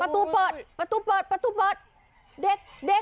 ประตูเปิดประตูเปิดประตูเปิด